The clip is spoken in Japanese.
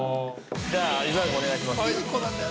◆じゃあ、伊沢君、お願いします。